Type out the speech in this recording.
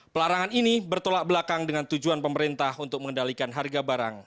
pelarangan ini bertolak belakang dengan tujuan pemerintah untuk mengendalikan harga barang